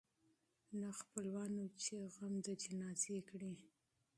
نه خپلوان وه چي دي غم د جنازې کړي